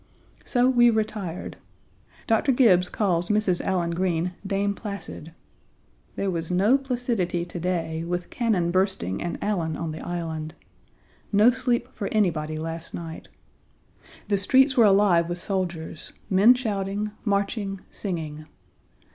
So we retired. Dr. Gibbes calls Mrs. Allen Green Dame Placid. There was no placidity to day, with cannon bursting and Allen on the Island. No sleep for anybody last night. The streets were alive with soldiers, men shouting, marching, singing.